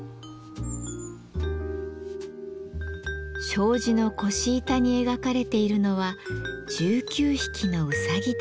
障子の腰板に描かれているのは１９匹のうさぎたち。